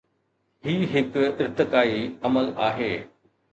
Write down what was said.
هي هڪ ارتقائي عمل آهي.